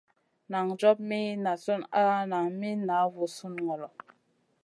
Nan job mi nazion al nan mi na voo sùn ŋolo.